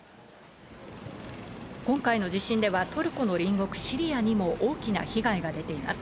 今回の地震では、トルコの隣国シリアにも大きな被害が出ています。